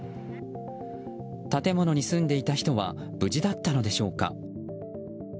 建物に住んでいた人は無事だったのでしょうか。